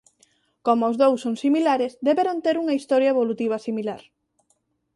Como os dous son similares deberon ter unha historia evolutiva similar.